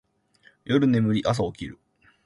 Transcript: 夜眠り、朝起きる